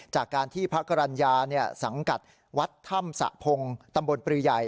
จากการที่พระกรรณญาสั่งกัดวัดธสะพงตำบลปริยัย